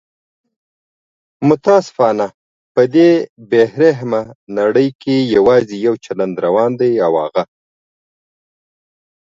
متاسفانه په دې بې رحمه نړۍ کې یواځي یو چلند روان دی او هغه